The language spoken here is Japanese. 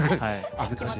恥ずかしい。